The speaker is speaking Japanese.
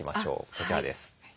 こちらです。